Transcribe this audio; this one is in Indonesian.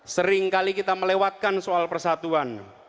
seringkali kita melewatkan soal persatuan